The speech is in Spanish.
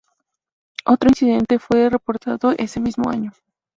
Otro incidente fue reportado ese mismo año.